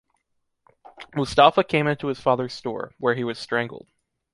Mustafa came into his father’s store, where he was strangled.